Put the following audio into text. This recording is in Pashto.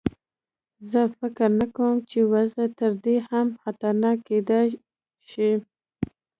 زه فکر نه کوم چې وضع تر دې هم خطرناکه کېدلای شي.